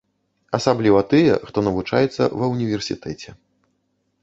Асабліва тыя, хто навучаецца ва ўніверсітэце.